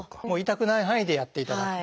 痛くない範囲でやっていただく。